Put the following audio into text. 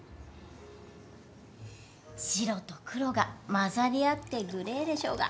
白と黒が混ざり合ってグレーでしょうが。